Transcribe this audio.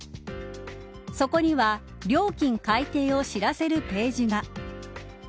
そこには料金改定を知らせるページが。